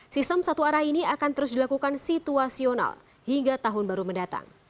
sistem satu arah ini akan terus dilakukan situasional hingga tahun baru mendatang